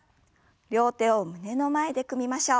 両手を胸の前で組みましょう。